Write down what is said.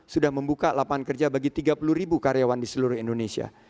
sudah membuka lapangan kerja bagi tiga puluh ribu karyawan di seluruh indonesia